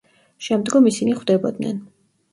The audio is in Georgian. შემდგომ ისინი ხვდებოდნენ.